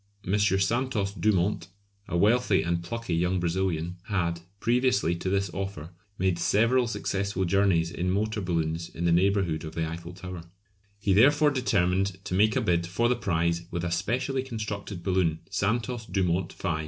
M. Santos Dumont, a wealthy and plucky young Brazilian, had, previously to this offer, made several successful journeys in motor balloons in the neighbourhood of the Eiffel Tower. He therefore determined to make a bid for the prize with a specially constructed balloon "Santos Dumont V."